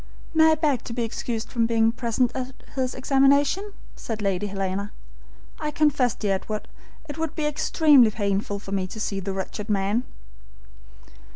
"May I beg to be excused from being present at his examination?" said Lady Helena. "I confess, dear Edward, it would be extremely painful for me to see the wretched man."